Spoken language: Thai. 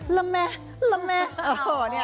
ละแม่ละแม่